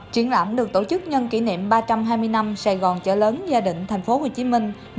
triển lãm được tổ chức nhân kỷ niệm ba trăm hai mươi năm sài gòn chợ lớn gia đình tp hcm một nghìn sáu trăm chín mươi tám hai nghìn một mươi tám